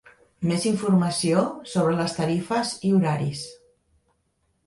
Més informació sobre les tarifes i horaris.